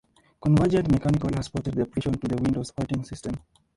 Convergent Mechanical has ported the application to the Windows operating system.